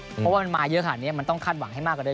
เพราะว่ามันมาเยอะขนาดนี้มันต้องคาดหวังให้มากกว่าเดิ